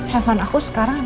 handphone aku sekarang